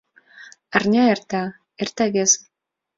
Арня эрта, эрта весе